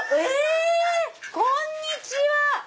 こんにちは。